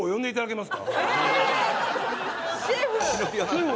シェフ！